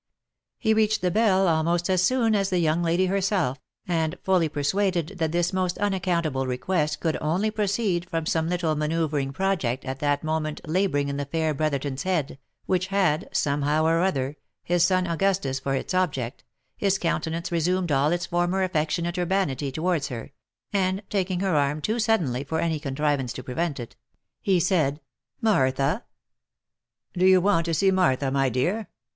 He reached the bell almost as soon as the young lady her self, and fully persuaded that this most unaccountable request could only proceed from some little manoeuvring project at that moment labouring in the fair Brotherton's head, which had, somehow or other, his son Augustus for its object, his countenance resumed all its former affectionate urbanity towards her, and taking her hand too suddenly for any contrivance to prevent it, he said —" Martha? Do you want to see Martha, my dear?